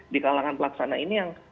di kalangan pelaksana ini yang